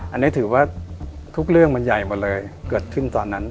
อันนี้ถือว่าทุกเรื่องมันใหญ่หมดเลยเกิดขึ้นตอนนั้น